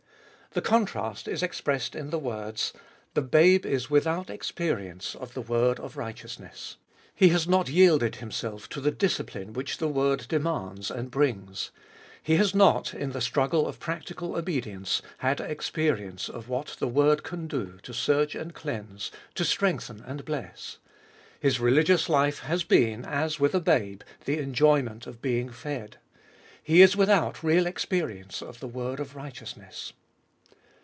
The contrast is expressed in the words : The babe is with out experience of the word of righteousness. He has not yielded himself to the discipline which the word demands and brings ; he has not, in the struggle of practical obedience, had experience of what the word can do to search and cleanse, to 200 ODC tboliest of 2UI strengthen and bless. His religious life has been, as with a babe, the enjoyment of being fed. He is without real ex perience of the word of righteousness.